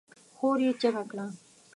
خور يې چيغه کړه!